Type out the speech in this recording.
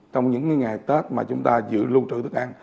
trong những ngày tết mà chúng ta giữ luôn trụ thức ăn